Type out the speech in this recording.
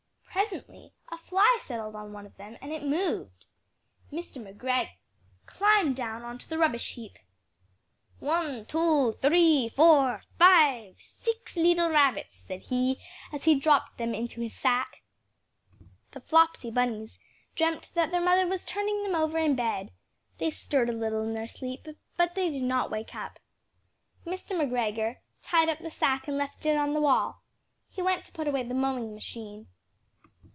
Presently a fly settled on one of them and it moved. Mr. McGregor climbed down on to the rubbish heap "One, two, three, four! five! six leetle rabbits!" said he as he dropped them into his sack. The Flopsy Bunnies dreamt that their mother was turning them over in bed. They stirred a little in their sleep, but still they did not wake up. Mr. McGregor tied up the sack and left it on the wall. He went to put away the mowing machine.